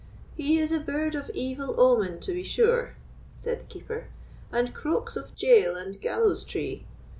"He is a bird of evil omen, to be sure," said the Keeper, "and croaks of jail and gallows tree.